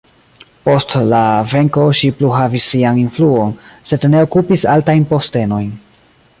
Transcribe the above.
Post la venko ŝi plu havis sian influon, sed ne okupis altajn postenojn.